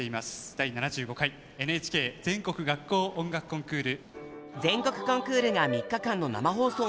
第７５回ＮＨＫ全国学校音楽コンクール。